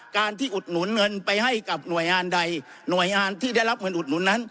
การที่อุดหนุนเงินไปให้กับหน่วยงานใดหน่วยงานที่ได้รับเงินอุดหนุนนั้น